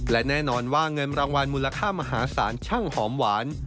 และแน่นอนว่าเงินรางวัลมูลค่ามหาศาลช่างหอมหวาน